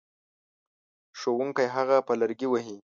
ښوونکی هغه په لرګي وهي.